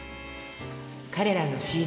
彼らのＣＤ